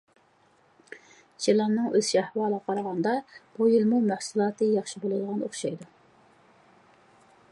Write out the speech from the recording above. چىلاننىڭ ئۆسۈش ئەھۋالىغا قارىغاندا، بۇ يىلمۇ مەھسۇلاتى ياخشى بولىدىغان ئوخشايدۇ.